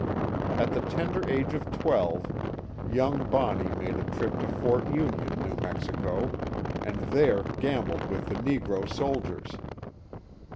At the tender age of twelve, young Bonney made a trip to Fort Union, New Mexico, and there gambled with the negro soldiers.